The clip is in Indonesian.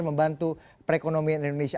membantu perekonomian indonesia